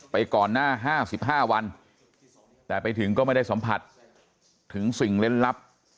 ก่อนหน้า๕๕วันแต่ไปถึงก็ไม่ได้สัมผัสถึงสิ่งเล่นลับ